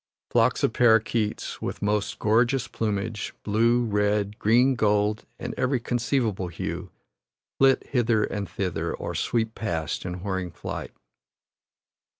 Flocks of paroquets with most gorgeous plumage blue, red, green, gold, and every conceivable hue flit hither and thither, or sweep past in whirring flight.